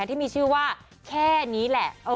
ที่มีชื่อว่าแค่นี้แหละ